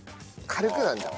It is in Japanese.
軽くなんだ。